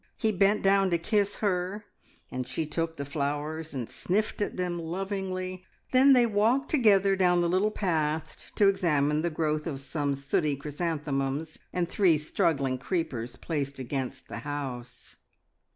He bent down to kiss her, and she took the flowers and sniffed at them lovingly; then they walked together down the little path to examine the growth of some sooty chrysanthemums and three struggling creepers placed against the house.